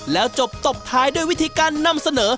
แล้วจบตบท้ายด้วยวิธีการนำเสนอ